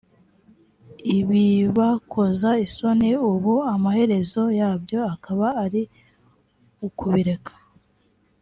ibibakoza isoni ubu amaherezo yabyo akaba ari ukubireka